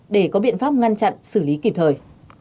để có biện pháp ngăn chặn xử lý kịp thời